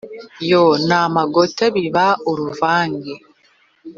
Yo n'amagote biba uruvange,